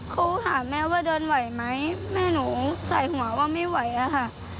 เขาหาแม่ว่าเดินไหวไหมแม่หนูใส่หัวว่าไม่ไหวอะค่ะ